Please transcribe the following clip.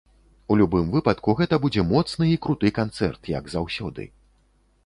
У любым выпадку, гэта будзе моцны і круты канцэрт, як заўсёды.